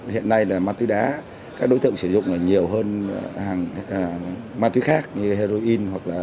hiện nay là ma túy đá các đối tượng sử dụng nhiều hơn hàng ma túy khác như heroin hoặc là cần sa